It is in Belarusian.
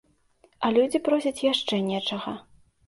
А людзі просяць яшчэ нечага.